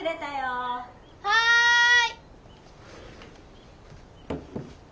はい。